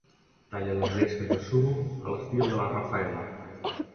Talla les llesques de suro a l'estil de la Raffaela.